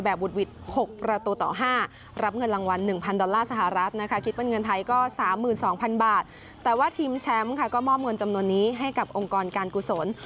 แล้วก็๓๒๐๐๐บาทแต่ว่าทีมแชมป์ค่ะก็มอบเงินจำนวนนี้ให้กับองค์กรการกุศล